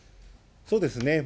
そうですね。